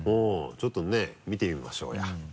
ちょっとね見てみましょうや。